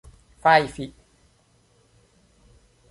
fajfi